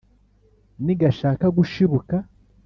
nigashaka gushibuka